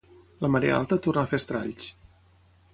La marea alta torna a fer estralls.